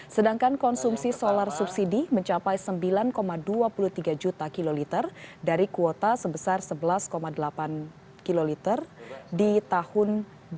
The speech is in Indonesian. sedangkan konsumsi solar subsidi mencapai sembilan dua puluh tiga juta kiloliter dari kuota sebesar sebelas delapan kiloliter di tahun dua ribu delapan belas